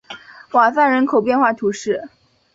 瓦塞人口变化图示